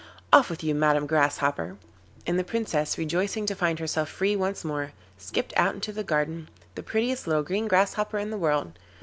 Off with you, Madam Grasshopper.' And the Princess, rejoicing to find herself free once more, skipped out into the garden, the prettiest little green Grasshopper in the world.